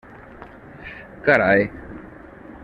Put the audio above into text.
Carai!